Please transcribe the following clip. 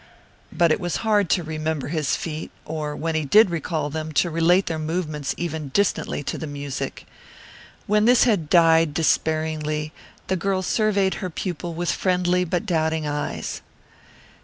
But it was hard to remember his feet or, when he did recall them, to relate their movements even distantly to the music. When this had died despairingly, the girl surveyed her pupil with friendly but doubting eyes.